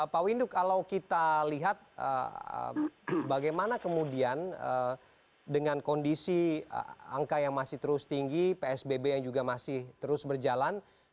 pak windu kalau kita lihat bagaimana kemudian dengan kondisi angka yang masih terus tinggi psbb yang juga masih terus berjalan